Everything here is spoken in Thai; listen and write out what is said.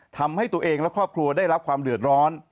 ทำให้ตัวเองและครอบครัวได้รับความเดือดร้อน